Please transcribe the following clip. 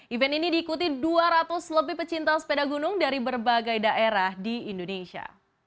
event ini diikuti dua ratus lebih pecinta sepeda gunung dari berbagai daerah di indonesia